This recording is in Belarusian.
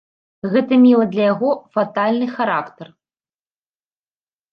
Гэта мела для яго фатальны характар.